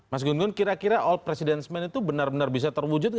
mas gun gun kira kira all presidents man itu benar benar bisa terwujud gak